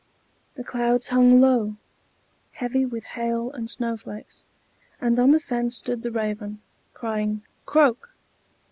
The clouds hung low, heavy with hail and snow flakes, and on the fence stood the raven, crying "Croak!